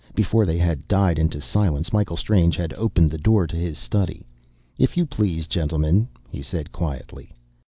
Before they had died into silence, Michael Strange had opened the door of his study. "If you please, gentlemen," he said quietly.